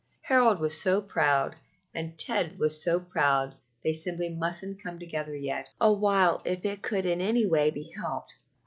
Harold was so proud and Ted was so proud they simply mustn't come together yet awhile if it could in any way be helped.